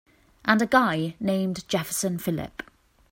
And a guy named Jefferson Phillip.